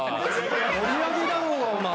盛り上げだろお前。